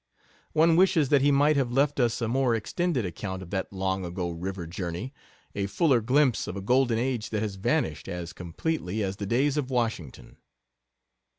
One wishes that he might have left us a more extended account of that long ago river journey, a fuller glimpse of a golden age that has vanished as completely as the days of Washington.